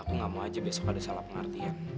ya aku gak mau aja besok ada salah pengertian